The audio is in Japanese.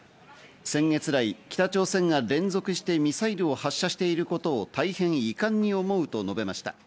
先月来、北朝鮮が連続してミサイルを発射していることを大変遺憾に思うと述べました。